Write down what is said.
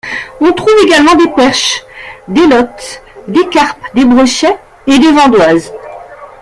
On trouve également des perches, des lottes, des carpes, des brochets et des vandoises.